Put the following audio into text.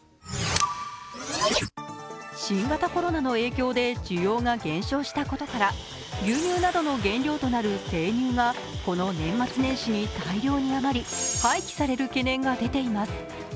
新型コロナの影響で需要が減少したことから牛乳などの原料となる生乳がこの年末年始に大量に余り廃棄される懸念が出ています。